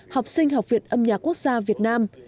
học sinh học viện âm nhạc quốc gia việt nam